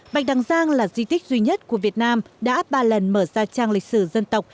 bạch đằng giang là di tích duy nhất của việt nam đã ba lần mở ra trang lịch sử dân tộc